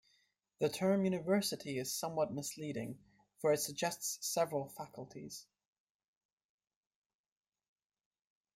The term university is somewhat misleading, for it suggests several faculties.